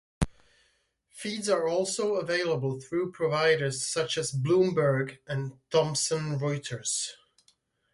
Feeds are also available through providers such as Bloomberg and Thomson Reuters.